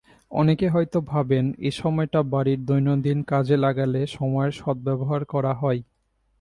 অনেকে হয়তো ভাবেন এসময়টা বাড়ির দৈনন্দিন কাজে লাগালে সময়ের সদ্ব্যবহার করা হয়।